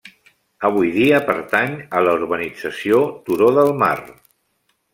Avui dia pertany a la Urbanització Turó del Mar.